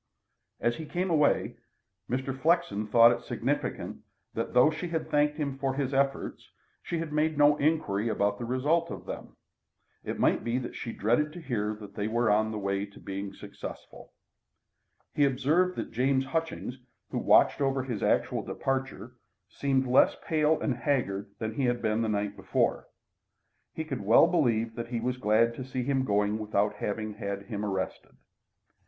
As he came away, Mr. Flexen thought it significant that, though she had thanked him for his efforts, she had made no inquiry about the result of them. It might be that she dreaded to hear that they were on the way to be successful. He observed that James Hutchings, who watched over his actual departure, seemed less pale and haggard than he had been the night before. He could well believe that he was glad to see him going without having had him arrested.